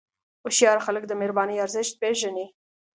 هوښیار خلک د مهربانۍ ارزښت پېژني.